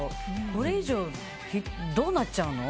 これ以上どうなっちゃうの？